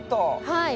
はい。